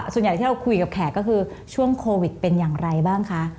ส่วนใหญ่ที่เราคุยกับแขกก็คือช่วงโควิดเป็นอย่างไรบ้างคะ